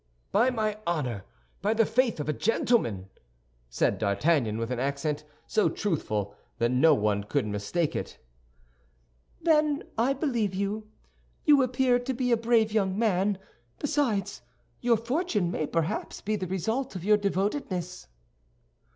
"By my honor, by the faith of a gentleman!" said D'Artagnan, with an accent so truthful that no one could mistake it. "Then I believe you. You appear to be a brave young man; besides, your fortune may perhaps be the result of your devotedness."